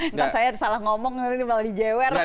entah saya salah ngomong nanti malah dijewer